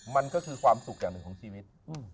มันก็คือความสุขอย่างหนึ่งของชีวิต